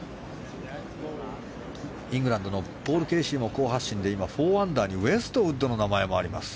イングランドのポール・ケーシーも好発進で、今、４アンダーにウェストウッドの名前もあります。